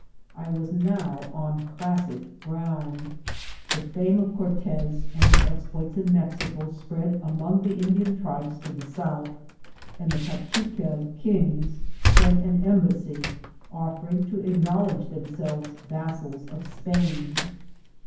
I was now on classic ground. The fame of Cortez and his exploits in Mexico spread among the Indian tribes to the south, and the Eachiquel kings sent an embassy offering to acknowledge themselves vassals of Spain.